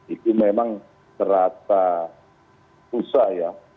itu memang serata susah ya